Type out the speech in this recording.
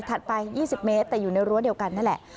ไป๒๐เมตรแต่อยู่ในรั้วเดียวกันนั่นแหละ